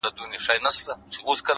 دا موسیقي نه ده جانانه! دا سرگم نه دی!